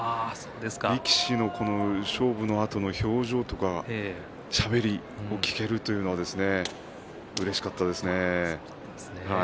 力士の勝負のあとの表情とかしゃべりを聞けるというのはうれしかったですね。